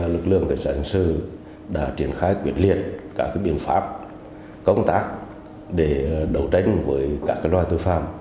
lực lượng cảnh sát hình sự đã triển khai quyết liệt các biện pháp công tác để đấu tranh với các loài tội phạm